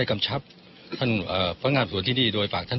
ผู้เสียชีวิตนั้นเขาหลายวิทย์จากอะไร